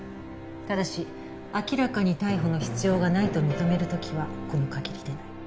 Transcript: ただし明らかに逮捕の必要がないと認める時はこの限りでない。